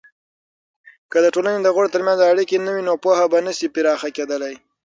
که د ټولني دغړو ترمنځ اړیکې نه وي، نو پوهه به نسي پراخه کیدلی.